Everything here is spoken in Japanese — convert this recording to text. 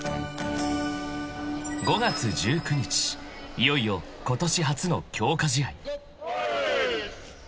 ［いよいよことし初の強化試合］